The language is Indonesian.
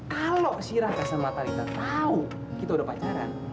kalau si raka sama talitha tahu kita udah pacaran